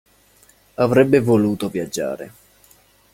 Avrebbe voluto viaggiare.